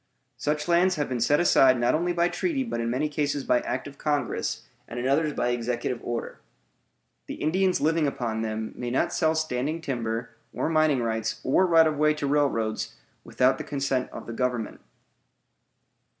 Such lands have been set aside not only by treaty but in many cases by act of Congress, and in others by executive order. The Indians living upon them may not sell standing timber, or mining rights, or right of way to railroads, without the consent of the Government.